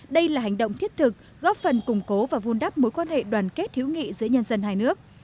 đây là hành động thiết thực góp phần củng cố và vun đắp mối quan hệ đoàn kết hữu nghị giữa nhân dân hai nước